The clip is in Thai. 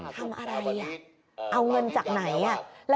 ทำอะไรเอาเงินจากไหน